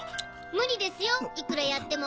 無理ですよいくらやっても。